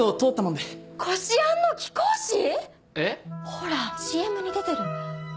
ほらＣＭに出てる。